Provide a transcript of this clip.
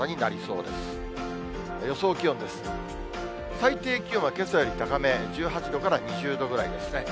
最低気温はけさより高め、１８度から２０度ぐらいですね。